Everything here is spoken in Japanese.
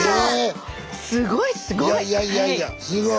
すごいすごい！